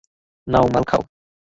নাও মাল খাও।